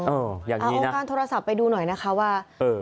อ๋อเอาออกการโทรศัพท์ไปดูหน่อยนะคะว่า